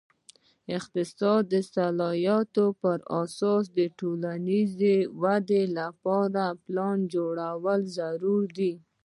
د اقتصاد د اصلاحاتو پر اساس د ټولنیزې ودې لپاره پلان جوړول ضروري دي.